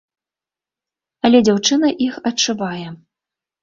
Але дзяўчына іх адшывае.